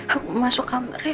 aku mau masuk kamar ya